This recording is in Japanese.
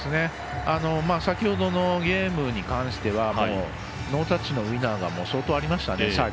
先ほどのゲームに関してはノータッチのウィナーが相当ありましたので。